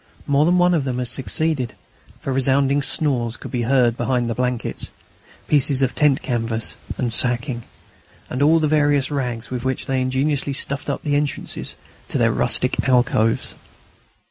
More than one of them had succeeded, for resounding snores could be heard behind the blankets, pieces of tent canvas and sacking, and all the various rags with which they had ingeniously stuffed up the entrances to their rustic alcoves.